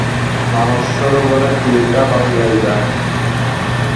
মানস-সরোবরের তীরটা ভালো জায়গা।